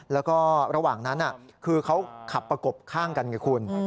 แล้วก็ระหว่างนั้นคือเขาขับประกบข้างกันไงคุณ